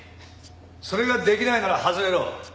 それができないなら外れろ。